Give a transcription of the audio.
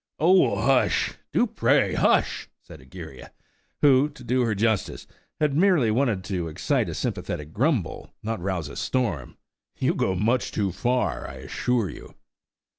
"Oh, hush!–do, pray, hush!" said Egeria, who, to do her justice, had merely wanted to excite a sympathetic grumble, not to rouse a storm. "You go much too far, I assure you."